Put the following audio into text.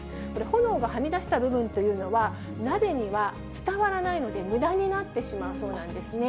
炎がはみ出した部分というのは、鍋には伝わらないので、むだになってしまうそうなんですね。